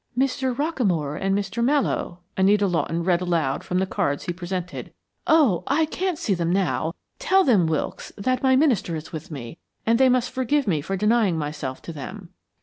"Mr. Rockamore and Mr. Mallowe," Anita Lawton read aloud from the cards he presented. "Oh, I can't see them now. Tell them, Wilkes, that my minister is with me, and they must forgive me for denying myself to them."